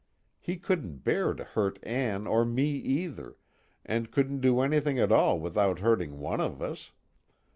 He couldn't bear to hurt Ann or me either, and couldn't do anything at all without hurting one of us.